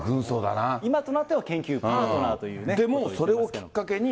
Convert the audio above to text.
今となっては研究パートナーでもそれをきっかけに。